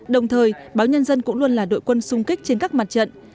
đồng thời báo nhân dân cũng luôn là đội quân sung kích trên các mặt trận